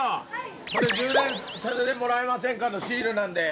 これ「充電させてもらえませんか」のシールなんで。